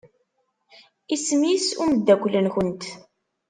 Isem-is umeddakel-nkent?